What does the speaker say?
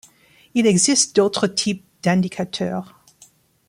Il existe d'autres types d'indicateurs.